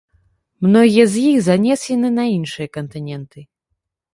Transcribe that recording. Многія з іх занесены на іншыя кантыненты.